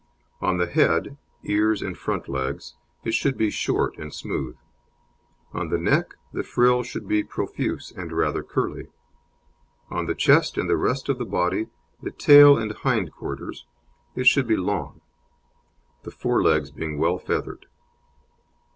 On the head, ears and front legs it should be short and smooth; on the neck the frill should be profuse and rather curly; on the chest and the rest of the body, the tail and hind quarters, it should be long; the fore legs being well feathered.